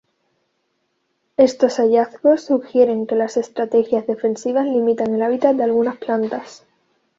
Estos hallazgos sugieren que las estrategias defensivas limitan el hábitat de algunas plantas.